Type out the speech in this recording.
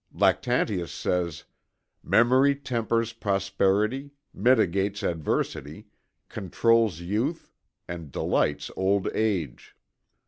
Lactantius says: "Memory tempers prosperity, mitigates adversity, controls youth, and delights old age."